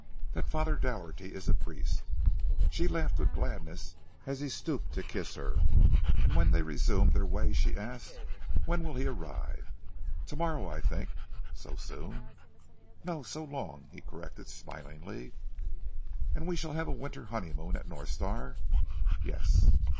"That Father Doherty is a priest." She laughed with gladness as he stooped to kiss her; and when they resumed their way, she asked, "When will he arrive?" "Tomorrow, I think." "So soon?" "No so long!" he corrected smilingly. "And we shall have a winter honeymoon at North Star?" "Yes!"